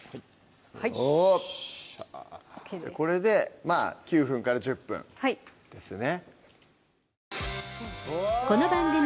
はいこれで９分１０分ですね